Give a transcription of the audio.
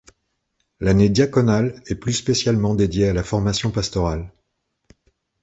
L'année diaconale est plus spécialement dédiée à la formation pastorale.